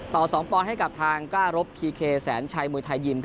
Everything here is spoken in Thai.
ต่อ๒ปอนด์ให้กับทางก้ารบพีเคแสนชัยมวยไทยยิม